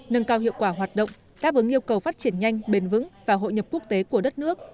nâng cao hiệu quả hoạt động đáp ứng yêu cầu phát triển nhanh bền vững và hội nhập quốc tế của đất nước